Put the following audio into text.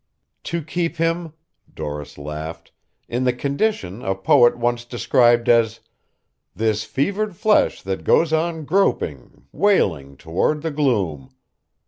"To keep him," Doris laughed, "in the condition a poet once described as: 'This fevered flesh that goes on groping, wailing Toward the gloom.'"